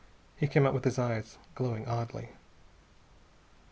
He came out with his eyes glowing oddly.